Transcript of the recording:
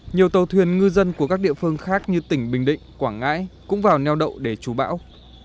nhiều tàu thuyền ngư dân của các địa phương khác như tỉnh bình định quảng ngãi cũng vào neo đậu để chú bão